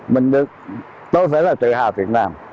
mình được tôi phải là tự hào việt nam